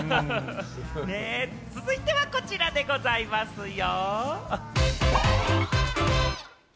続いては、こちらでございますよ。